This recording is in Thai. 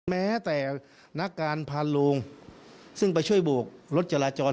แม้แต่นักการพาโลงซึ่งไปช่วยโบกรถจราจร